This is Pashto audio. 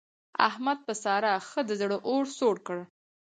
احمد په سارا ښه د زړه اور سوړ کړ.